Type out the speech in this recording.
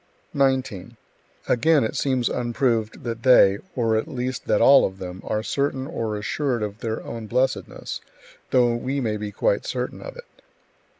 19. Again, it seems unproved that they, or at least that all of them, are certain or assured of their own blessedness, though we may be quite certain of it.